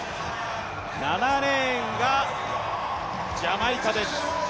７レーンがジャマイカです。